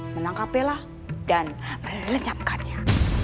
menangkap bella dan melencapkannya